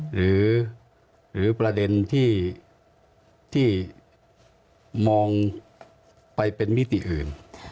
หรือประเด็นที่มองไปเป็นมิติอื่น